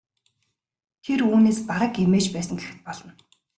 Тэр үүнээс бараг эмээж байсан гэхэд болно.